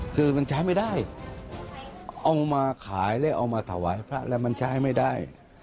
คือมันใช้ไม่ได้เอามาขายแล้วเอามาถวายพระแล้วมันใช้ไม่ได้